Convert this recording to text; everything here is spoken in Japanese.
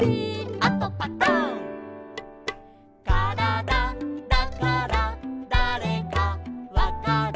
「あとパタン」「からだだからだれかわかる」